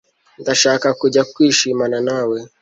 ndashaka kujya kwishimana nawe